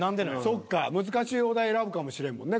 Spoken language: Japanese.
そっか難しいお題選ぶかもしれんもんね